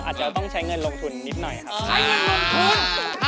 อาจจะต้องใช้เงินลงทุนนิดหน่อยครับ